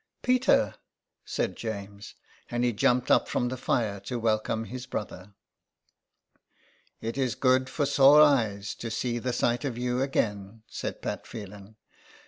Peter !" said James. And he jumped up from the fire to welcome his brother. "It is good for sore eyes to see the sight of you again," said Pat Phelan.